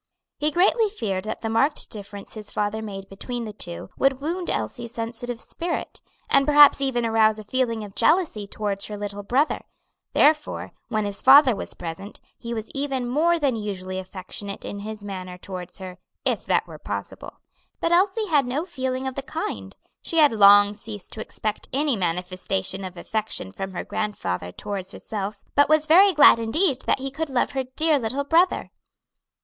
He greatly feared that the marked difference his father made between the two would wound Elsie's sensitive spirit, and perhaps even arouse a feeling of jealousy towards her little brother; therefore, when his father was present, he was even more than usually affectionate in his manner towards her, if that were possible. But Elsie had no feeling of the kind; she had long ceased to expect any manifestation of affection from her grandfather towards herself, but was very glad indeed that he could love her dear little brother.